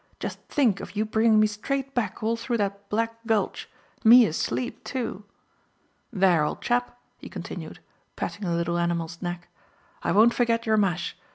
Just think of you bringing me straight back all through that black gulch me asleep too! There, old chap," he continued, patting the little animal's neck, "I won't forget your mash.